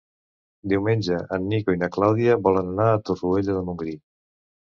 Diumenge en Nico i na Clàudia volen anar a Torroella de Montgrí.